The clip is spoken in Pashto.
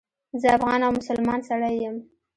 زه افغان او مسلمان سړی یم.